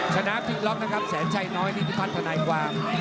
ชนะพิงล็อคนะครับแสนชัยน้อยนิพิพันธ์ภาในความ